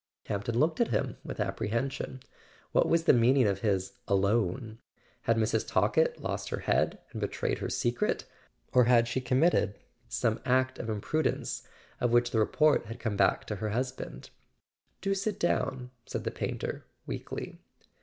Campton looked at him with apprehension. What was the meaning of his "alone"? Had Mrs. Talkett lost her head, and betrayed her secret—or had she committed some act of imprudence of which the report had come back to her husband? "Do sit down," said the painter weakly.